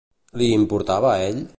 Li importava a ell?